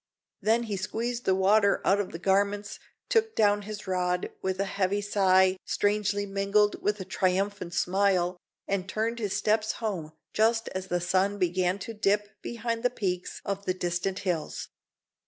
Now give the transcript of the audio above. Then he squeezed the water out of his garments, took down his rod, with a heavy sigh strangely mingled with a triumphant smile, and turned his steps home just as the sun began to dip behind the peaks of the distant hills.